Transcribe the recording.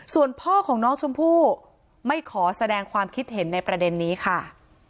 ส่วนพ่อของน้องชมพู่ไม่ขอแสดงความคิดเห็นในประเด็นนี้ค่ะ